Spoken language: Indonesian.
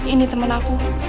ini temen aku